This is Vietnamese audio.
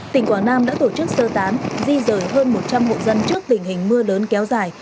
tỉnh quảng nam đã tổ chức sơ tán di rời hơn một trăm linh hộ dân trước tình hình mưa lớn kéo dài